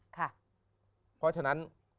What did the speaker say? เพราะฉะนั้น